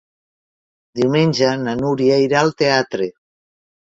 Diumenge na Núria irà al teatre.